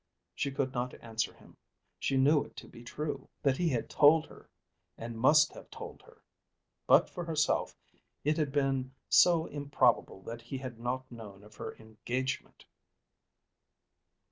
She could not answer him. She knew it to be true, that he had told her and must have told her. But for herself it had been so improbable that he had not known of her engagement!